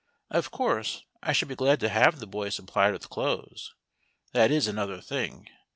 Of course, I should be glad to have the boy supplied with clothes. That is another thing.